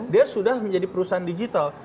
dia sudah menjadi perusahaan digital